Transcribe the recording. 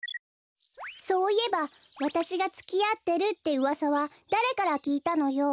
そういえばわたしがつきあってるってうわさはだれからきいたのよ？